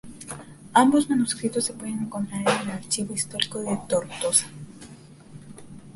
Ambos manuscritos se pueden encontrar en el Archivo Histórico de Tortosa.